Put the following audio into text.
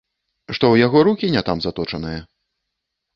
Што ў яго рукі не там заточаныя?